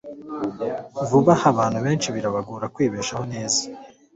Vuba aha, abantu benshi birabagora kwibeshaho neza.